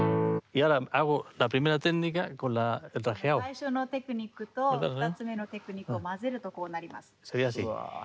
最初のテクニックと２つ目のテクニックを交ぜるとこうなります。